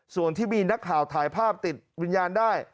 ส่วนที่มีนักข่าวถ่ายภาพติดวิญญาณได้